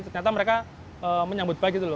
ternyata mereka menyambut baik